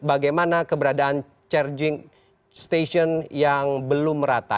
bagaimana keberadaan charging station yang belum rata